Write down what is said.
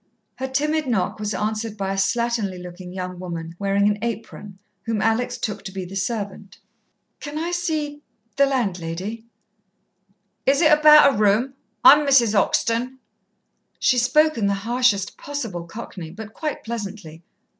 Her timid knock was answered by a slatternly looking young woman wearing an apron, whom Alex took to be the servant. "Can I see the the landlady?" "Is it about a room? I'm Mrs. 'Oxton." She spoke in the harshest possible Cockney, but quite pleasantly.